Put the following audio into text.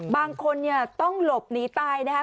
บางคนเนี่ยต้องหลบหนีตายนะคะ